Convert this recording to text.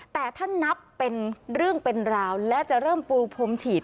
แต่ถ้านับเป็นเรื่องเป็นราวและจะเริ่มปูพรมฉีด